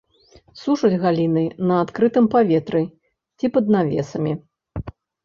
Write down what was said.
Сушаць галіны на адкрытым паветры ці пад навесамі.